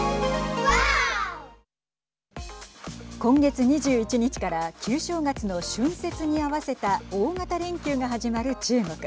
今月２１日から旧正月の春節に合わせた大型連休が始まる中国。